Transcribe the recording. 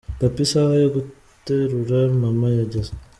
Papa, isaha yo guterura mama yageze.